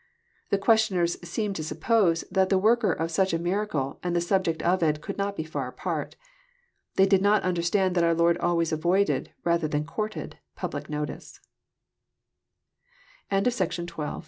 The questioners seem to suppose that the worker of such a miracle and the subject of it could not be far apart. They did not understand that our Lord always avoided, rather than courtedf public notice. JOHN IX.